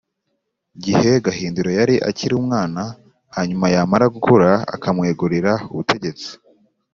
gihe gahindiro yari akiri umwana, hanyuma yamara gukura akamwegurira ubutegetsi